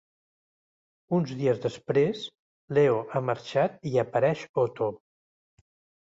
Uns dies després, Leo ha marxat i apareix Otto.